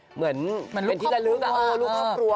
เหมือนที่เราลืมกับลูกครอบครัว